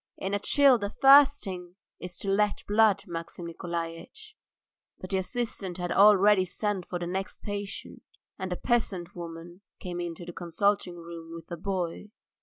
In a chill the first thing is to let blood, Maxim Nikolaitch." But the assistant had already sent for the next patient, and a peasant woman came into the consulting room with a boy.